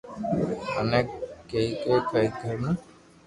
مون ڪني ايڪ گھر ھي